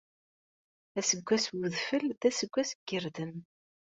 Aseggas n wedfel, d aseggas n yirden.